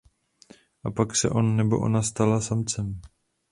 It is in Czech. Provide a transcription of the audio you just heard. A pak se on nebo ona stala samcem.